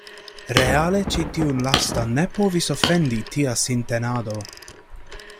Reale ĉi tiun lastan ne povis ofendi tia sintenado.